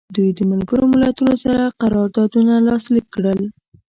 دوی د ملګرو ملتونو سره قراردادونه لاسلیک کړل.